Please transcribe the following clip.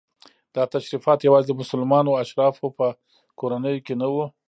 دا تشریفات یوازې د مسلمانو اشرافو په کورنیو کې نه وو.